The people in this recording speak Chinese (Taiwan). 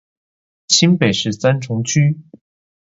新北市三重區